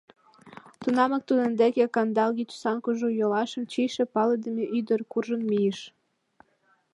Тунамак тудын деке кандалге тӱсан кужу йолашым чийше палыдыме ӱдыр куржын мийыш.